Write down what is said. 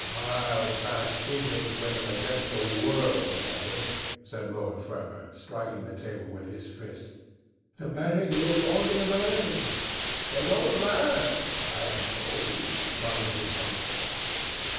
"I'll back English women against the world, Harry," said Lord Fermor, striking the table with his fist. "The betting is on the Americans." "They don't last, I am told," muttered his uncle.